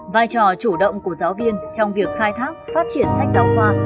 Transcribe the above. vai trò chủ động của giáo viên trong việc khai thác phát triển sách giáo khoa